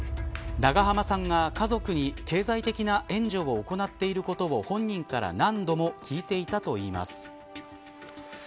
長濱さんが家族に経済的な援助を行っていることを本人から何度も聞いていたといいます。